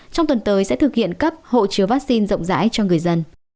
trong tuần tới sẽ thực hiện cấp hộ chiếu vaccine rộng rãi cho người dân